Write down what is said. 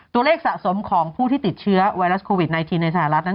ตัวเลขสะสมของผู้ที่ติดเชื้อไวรัสโควิด๑๙ในสหรัฐนั้น